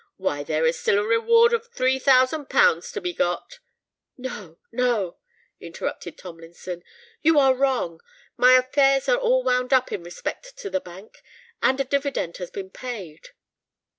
Why, there is still a reward of three thousand pounds to be got——" "No—no," interrupted Tomlinson; "you are wrong. My affairs are all wound up in respect to the bank—and a dividend has been paid."